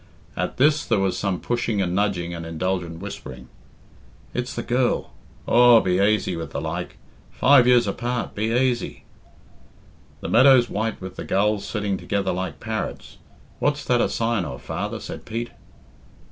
At this there was some pushing and nudging and indulgent whispering. "It's the girl! Aw, be aisy with the like! Five years apart, be aisy!" "The meadow's white with the gulls sitting together like parrots; what's that a sign of, father?" said Pete.